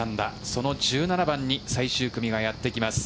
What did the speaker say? その１７番に最終組がやってきます。